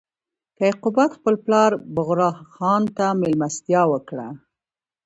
کیقباد خپل پلار بغرا خان ته مېلمستیا وکړه.